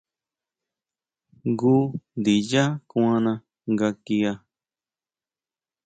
Jngu ndiyá kuana nga kia.